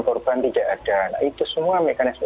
kurban tidak ada itu semua mekanisme